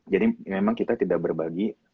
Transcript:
jadi memang kita tidak berbagi